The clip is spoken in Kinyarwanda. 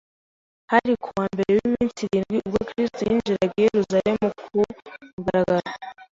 Hari kuwa mbere w'iminsi irindwi ubwo Kristo yinjiraga i Yerusalemu ku mugaragaro